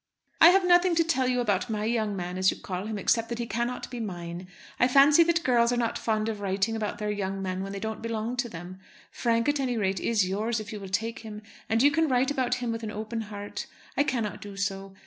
I have nothing to tell about my young man, as you call him, except that he cannot be mine. I fancy that girls are not fond of writing about their young men when they don't belong to them. Frank, at any rate, is yours, if you will take him; and you can write about him with an open heart. I cannot do so.